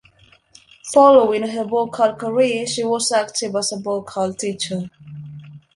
Following her vocal career, she was active as a vocal teacher.